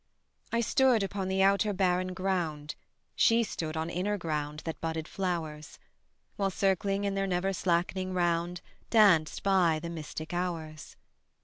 I stood upon the outer barren ground, She stood on inner ground that budded flowers; While circling in their never slackening round Danced by the mystic hours.